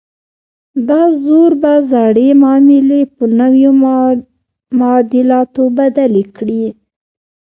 دا زور به زړې معاملې په نویو معادلاتو بدلې کړي.